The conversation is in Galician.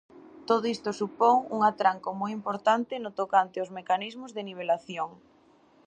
Todo isto supón un atranco moi importante no tocante aos mecanismos de nivelación.